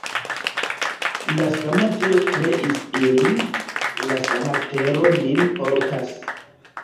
La sama Dio kreis ilin, la sama tero nin portas.